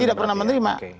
tidak pernah menerima